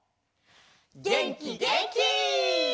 げんきげんき！